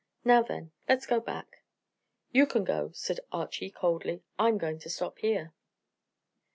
Now, then, let's go back." "You can go," said Archy coldly. "I'm going to stop here."